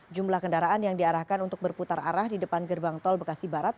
jumlah kendaraan yang diarahkan untuk berputar arah di depan gerbang tol bekasi barat